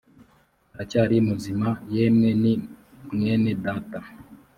aracyari muzima yemwe ni mwene data